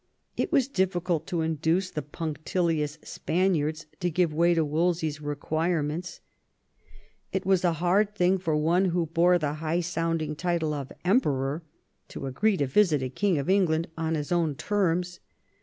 It was difficult to induce the punctilious Spaniards to give way to Wolsey's requirements. It was a hard thing for 58 THOMAS WOLSEY chap. one who bore the high sounding title of Emperor to agree to visit a King of England on his own terms.